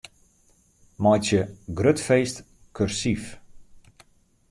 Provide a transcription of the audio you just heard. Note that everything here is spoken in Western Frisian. Meitsje 'grut feest' kursyf.